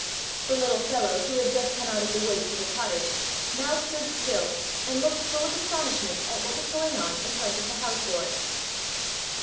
The little fellow, who had just come out of the woods to the cottage, now stood still and looked full of astonishment at what was going on in front of the house door.